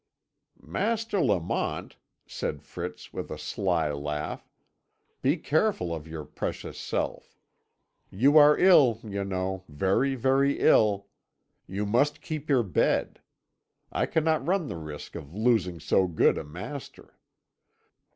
"Master Lamont," said Fritz with a sly laugh, "be careful of your precious self. You are ill, you know, very, very ill! You must keep your bed. I cannot run the risk of losing so good a master."